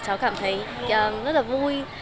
cháu cảm thấy rất là vui